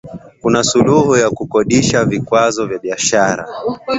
Kuna Suluhu ya kuondosha vikwazo vya biashara